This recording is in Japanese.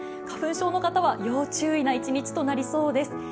花粉症の方は要注意な一日となりそうです。